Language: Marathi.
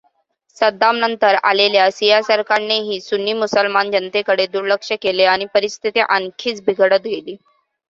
सद्दामनंतर आलेल्या शिया सरकारनेही सुन्नी मुसलमान जनतेकडे दुर्लक्ष केले, आणि परिस्थिती आणखीनच बिघडत गेली.